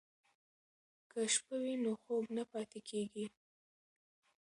که شپه وي نو خوب نه پاتې کیږي.